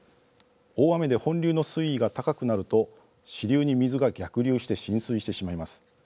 大雨で本流の水位が高くなると支流に水が逆流して浸水してしまいます。